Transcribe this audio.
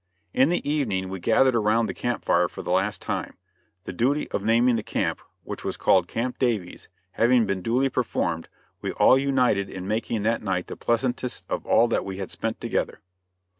In the evening we gathered around the camp fire for the last time. The duty of naming the camp, which was called Camp Davies, having been duly performed, we all united in making that night the pleasantest of all that we had spent together.